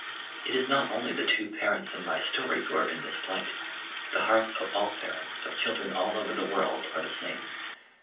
It is not only the two parents in my story who are in this plight; the hearts of all parents of children all over the world are the same.